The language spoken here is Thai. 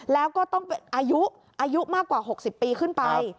แล้วก็ต้องอายุมากกว่า๖๐ปีขึ้นไป